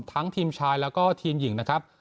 ทีมชายแล้วก็ทีมหญิงนะครับ